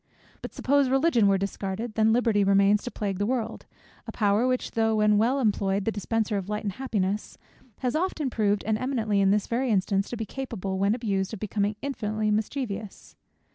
But suppose Religion were discarded, then Liberty remains to plague the world; a power which though when well employed, the dispenser of light and happiness, has been often proved, and eminently in this very instance, to be capable when abused, of becoming infinitely mischievous.